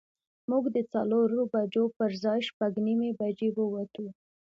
موږ د څلورو بجو پر ځای شپږ نیمې بجې ووتو.